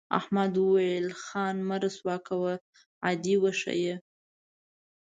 احمد وویل خان مه رسوا کوه عادي وښیه.